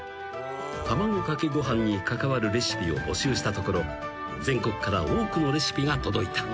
［卵かけご飯に関わるレシピを募集したところ全国から多くのレシピが届いた］